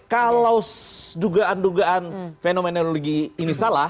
kalau dugaan dugaan fenomenologi ini salah